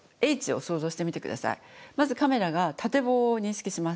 まずカメラが縦棒を認識します。